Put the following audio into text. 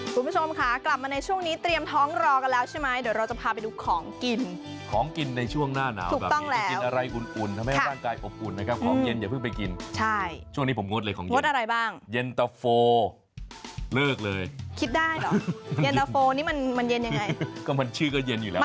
คุณผู้ชมค่ะกลับมาในช่วงนี้เตรียมท้องรอกันแล้วใช่ไหมเดี๋ยวเราจะพาไปดูของกินของกินในช่วงหน้าหนาวถูกต้องแล้วกินอะไรอุ่นอุ่นทำให้ร่างกายอบอุ่นนะครับของเย็นอย่าเพิ่งไปกินใช่ช่วงนี้ผมงดเลยของกินงดอะไรบ้างเย็นตะโฟเลิกเลยคิดได้เหรอเย็นตะโฟนี่มันมันเย็นยังไงก็มันชื่อก็เย็นอยู่แล้ว